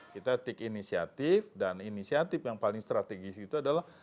kita tik initiative dan inisiatif yang paling strategis itu adalah